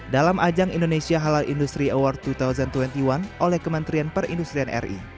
dalam ajang indonesia halal industri award dua ribu dua puluh satu oleh kementerian perindustrian ri